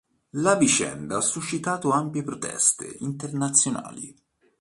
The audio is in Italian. La vicenda ha suscitato ampie proteste internazionali.